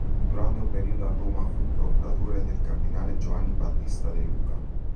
Durante un periodo a Roma fu procuratore del cardinale Giovanni Battista de Luca.